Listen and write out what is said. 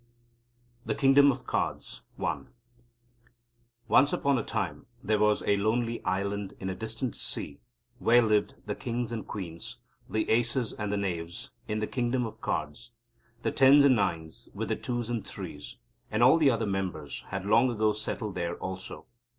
THE KINGDOM OF CARDS I Once upon a time there was a lonely island in a distant sea where lived the Kings and Queens, the Aces and the Knaves, in the Kingdom of Cards. The Tens and Nines, with the Twos and Threes, and all the other members, had long ago settled there also.